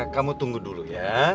kamu tunggu dulu ya